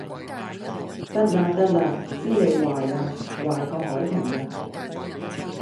得喇得喇，知你壞喇，壞過凱婷喇